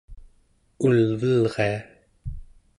ulvelria